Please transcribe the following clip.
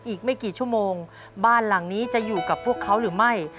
อีกไม่กี่ชั่วโมงบ้านหลังนี้จะอยู่กับพวกเขาหรือไม่